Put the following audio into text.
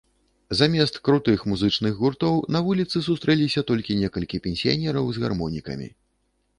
Замест крутых музычных гуртоў на вуліцы сустрэліся толькі некалькі пенсіянераў з гармонікамі.